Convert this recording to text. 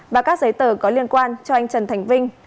và các giấy tờ có liên quan cho anh trần thành vinh